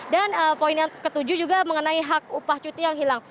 dan poin yang ke tujuh juga mengenai hak upah cuti yang hilang